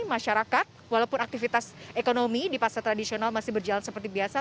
masyarakat walaupun aktivitas ekonomi di pasar tradisional masih berjalan seperti biasa